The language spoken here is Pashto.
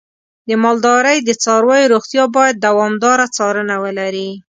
د مالدارۍ د څارویو روغتیا باید دوامداره څارنه ولري.